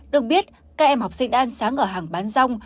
được biết các em học sinh đã ăn sáng ở hàng bán rong